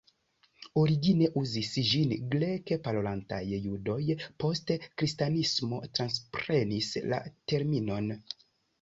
Origine uzis ĝin Greke-parolantaj Judoj, poste Kristanismo transprenis la terminon.